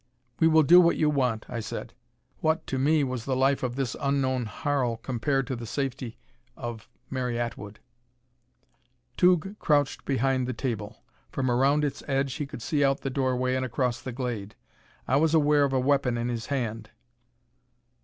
"We will do what you want." I said. What, to me, was the life of this unknown Harl compared to the safety of Mary Atwood? Tugh crouched behind the table. From around its edge he could see out the doorway and across the glade. I was aware of a weapon in his hand.